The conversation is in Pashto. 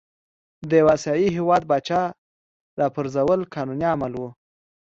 د یوه آسیايي هیواد پاچا را پرزول قانوني عمل وو.